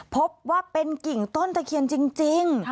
พบว่าเป็นกิ่งต้นตะเคียนจริง